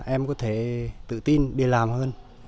em có thể tự tin đi làm hơn